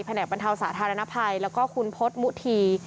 แผนประนับบรรเทาสาธารณภัยแล้วก็คุณพศมุธี